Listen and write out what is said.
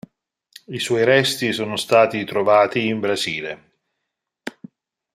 I suoi resti sono stati trovati in Brasile.